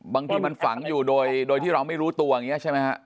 ที่มันฝังอยู่โดยที่เราไม่รู้ตัวอย่างนี้ใช่ไหมฮะ